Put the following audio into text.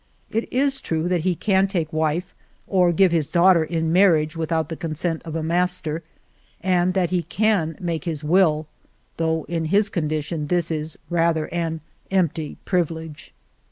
It is true that he can take wife or give his daughter in marriage with out the consent of a master, and that he can make his will, though in his condition this is rather an empty privilege.